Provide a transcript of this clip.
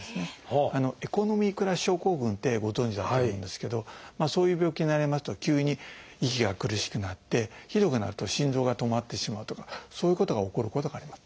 「エコノミークラス症候群」ってご存じだと思うんですけどそういう病気になりますと急に息が苦しくなってひどくなると心臓が止まってしまうとかそういうことが起こることがあります。